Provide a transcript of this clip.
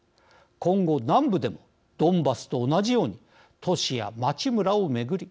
今後、南部でもドンバスと同じように都市や町村を巡り